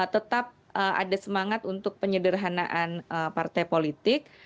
tetap ada semangat untuk penyederhanaan partai politik